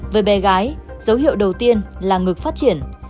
với bé gái dấu hiệu đầu tiên là ngực phát triển